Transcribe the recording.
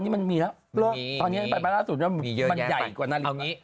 มันใหญ่กว่านาริตะ